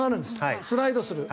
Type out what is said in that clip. スライドする。